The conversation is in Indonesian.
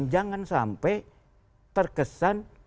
jangan sampai terkesan